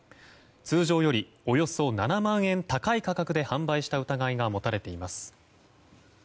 通常よりおよそ７万円高い価格で販売した疑いが持たれています。